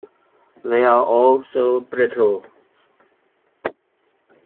They are all so brittle!